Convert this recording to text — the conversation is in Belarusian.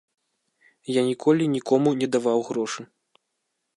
Я ніколі нікому не даваў грошы.